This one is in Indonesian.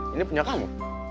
ini punya kamu